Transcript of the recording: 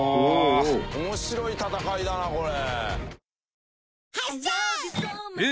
面白い戦いだなこれ。